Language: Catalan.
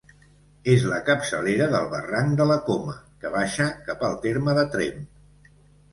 És la capçalera del barranc de la Coma, que baixa cap al terme de Tremp.